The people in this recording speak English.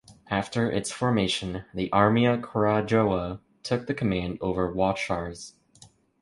After its formation, the Armia Krajowa took the command over Wachlarz.